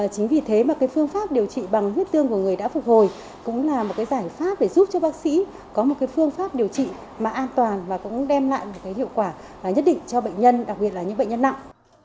chính vì thế mà phương pháp điều trị bằng huyết tương của người đã phục hồi cũng là một giải pháp để giúp cho bác sĩ có một phương pháp điều trị an toàn và cũng đem lại một hiệu quả nhất định cho bệnh nhân đặc biệt là những bệnh nhân nặng